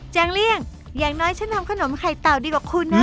งเลี่ยงอย่างน้อยฉันทำขนมไข่เต่าดีกว่าคุณนะ